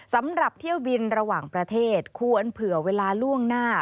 สำหรับเที่ยวบินระหว่างประเทศควรเผื่อเวลาล่วงหน้า